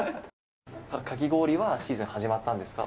かき氷はシーズン始まったんですか？